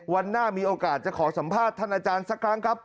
วันหน้ามีโอกาสจะขอสัมภาษณ์ท่านอาจารย์สักครั้งครับ